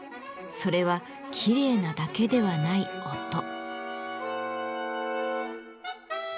それはきれいなだけではない音。